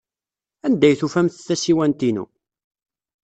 Anda ay tufamt tasiwant-inu?